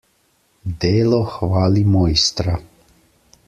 Delo hvali mojstra.